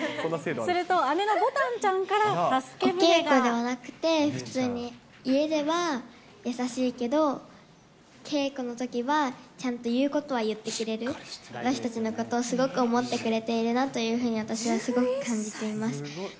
すると姉のぼたんちゃんからお稽古ではなくて、普通に家では優しいけど、稽古のときはちゃんと言うことは言ってくれる、私たちのことをすごく思ってくれているなというふうに、私はすごく感じています。